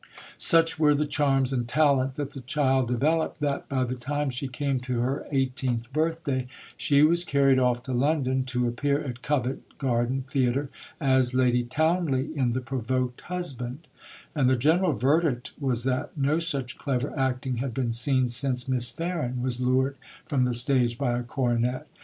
Such were the charms and talent that the child developed that, by the time she came to her eighteenth birthday she was carried off to London to appear at Covent Garden Theatre as Lady Townley in The Provoked Husband; and the general verdict was that no such clever acting had been seen since Miss Farren was lured from the stage by a coronet.